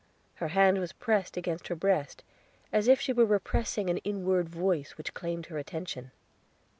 Her hand was pressed against her breast, as if she were repressing an inward voice which claimed her attention.